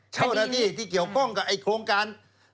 เจ้านาทีที่เกี่ยวกับการ